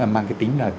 mang cái tính là